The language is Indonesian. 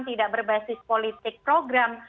tidak berbasis politik program